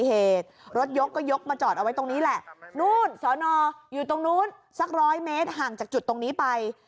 เหตุรถยกก็ยกมาจอดเอาไว้ตรงนี้แหละนู่นสอนออยู่ตรงนู้นสักร้อยเมตรห่างจากจุดตรงนี้ไป